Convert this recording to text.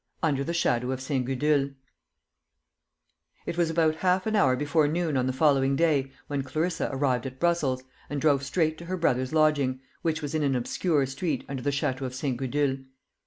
UNDER THE SHADOW OF ST. GUDULE. It was about half an hour before noon on the following day when Clarissa arrived at Brussels, and drove straight to her brother's lodging, which was in an obscure street under the shadow of St. Gudule.